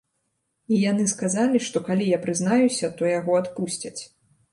І яны сказалі, што калі я прызнаюся, то яго адпусцяць.